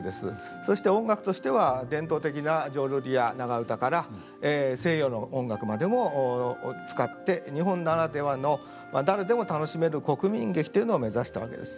そして音楽としては伝統的な浄瑠璃や長唄から西洋の音楽までも使って日本ならではの誰でも楽しめる国民劇というのを目指したわけです。